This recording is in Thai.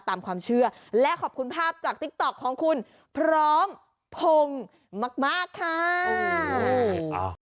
ตามความเชื่อและขอบคุณภาพจากติ๊กต๊อกของคุณพร้อมพงศ์มากค่ะ